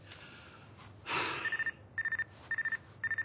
はあ。